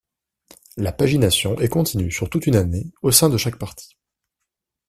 La pagination est continue sur tout une année au sein de chaque partie.